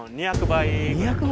２００倍！